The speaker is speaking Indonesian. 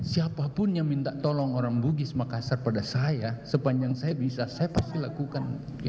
siapapun yang minta tolong orang bugis makassar pada saya sepanjang saya bisa saya pasti lakukan